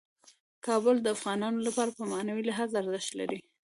کابل د افغانانو لپاره په معنوي لحاظ ارزښت لري.